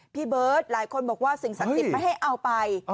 พี่เบิร์ตหลายคนบอกว่าสิ่งศักดิ์สิทธิ์ไม่ให้เอาไป